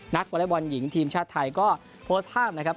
วอเล็กบอลหญิงทีมชาติไทยก็โพสต์ภาพนะครับ